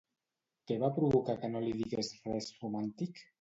Què va provocar que no li digués res romàntic?